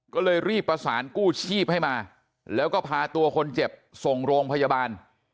ก็เลยรีบประสานกู้ชีพให้มาแล้วก็พาตัวคนเจ็บส่งโรงพยาบาล